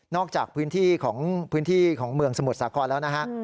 จากพื้นที่ของพื้นที่ของเมืองสมุทรสาครแล้วนะฮะ